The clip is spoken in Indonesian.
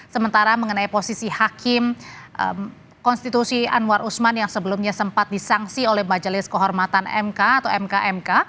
sementara mengenai posisi hakim konstitusi anwar usman yang sebelumnya sempat disangsi oleh majelis kehormatan mk atau mkmk